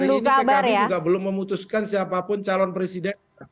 hari ini pkb juga belum memutuskan siapapun calon presiden